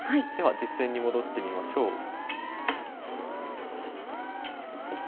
では実戦に戻ってみましょう。